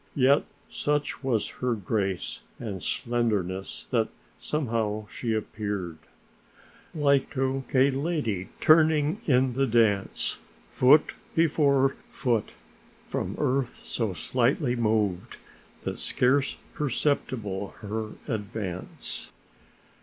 Yet such was her grace and slenderness that somehow she appeared: Like to a lady turning in the dance, Foot before foot from earth so slightly moved, That scarce perceptible her advance.